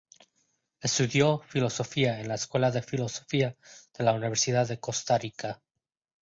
Estudió filosofía en la Escuela de Filosofía de la Universidad de Costa Rica.